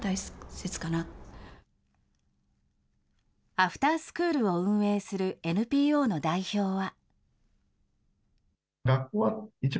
アフタースクールを運営するＮＰＯの代表は。